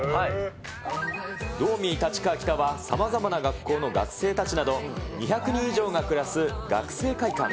ドーミー立川北はさまざまな学校の学生たちなど２００人以上が暮らす学生会館。